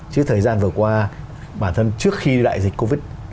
chứ thời gian vừa qua bản thân trước khi đại dịch covid